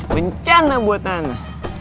bencana buat ana